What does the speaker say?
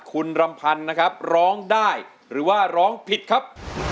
คุณรำพันธ์นะครับร้องได้หรือว่าร้องผิดครับ